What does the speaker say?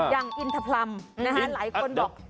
อย่างอินทภารมหลายคนบอก